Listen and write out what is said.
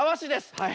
はい！